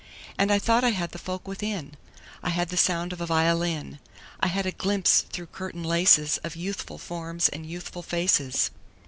And I thought I had the folk within: I had the sound of a violin; I had a glimpse through curtain laces Of youthful forms and youthful faces.